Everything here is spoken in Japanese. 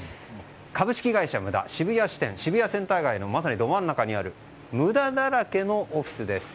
株式会社無駄渋谷支店渋谷センター街のまさにど真ん中にある無駄だらけのオフィスです。